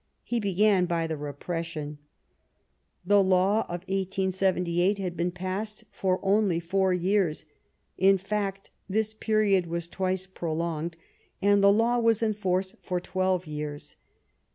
He began by the repression. The law of 1878 had been passed for only four years ; in fact, this period was twice prolonged, and the law was in force for twelve years.